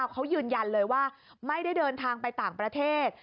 เขายืนยันเลยว่าไม่ได้เดินทางไปต่างประเทศ